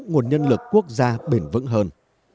nguồn nhân lực quốc gia bền vững hơn